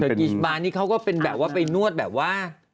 กิชบานี่เขาก็เป็นแบบว่าไปนวดแบบว่า